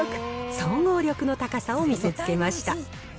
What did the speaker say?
総合力の高さを見せつけました。